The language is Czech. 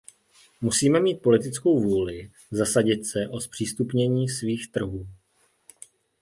Musíme mít politickou vůli zasadit se o zpřístupnění svých trhů.